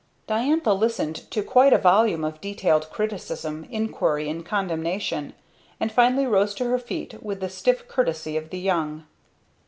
Diantha listened to quite a volume of detailed criticism, inquiry and condemnation, and finally rose to her feet with the stiff courtesy of the young.